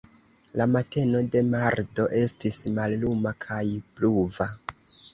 La mateno de mardo estis malluma kaj pluva.